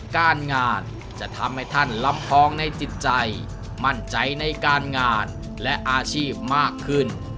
การงานจะทำให้ท่านลำพองในจิตใจมั่นใจในการงานและอาชีพมากขึ้น